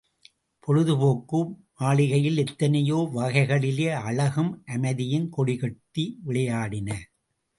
பொழுதுபோக்கு மாளிகையில் எத்தனையோ வகைகளிலே அழகும் அமைதியும் கொடிகட்டி விளையாடின.